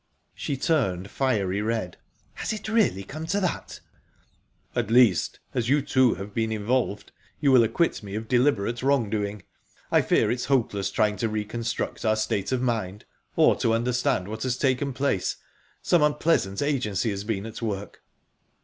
She turned fiery red. "Has it really come to that?" "At least, as you, too, have been involved, you will acquit me of deliberate wrong doing. I fear it's hopeless trying to reconstruct our state of mind, or to understand what has taken place. Some unpleasant agency has been at work."